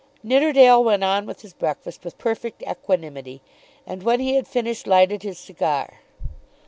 Nidderdale went on with his breakfast with perfect equanimity, and when he had finished lighted his cigar.